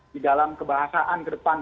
di dalam kebahasaan kedepan